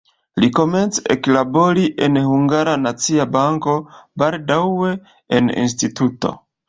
Li komence eklaboris en Hungara Nacia Banko, baldaŭe en instituto.